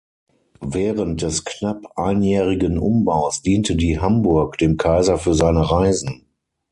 Während des knapp einjährigen Umbaus diente die "Hamburg" dem Kaiser für seine Reisen.